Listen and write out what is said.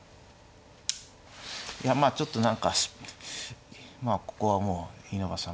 いやまあちょっと何かまあここはもう稲葉さん